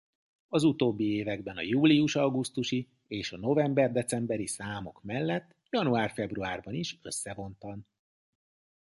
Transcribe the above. Az utóbbi években a július-augusztusi és a november-decemberi számok mellett január-februárban is összevontan.